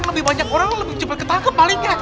lebih banyak orang lebih cepat ketahuan ke malingnya